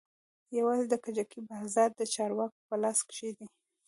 يوازې د کجکي بازار د چارواکو په لاس کښې دى.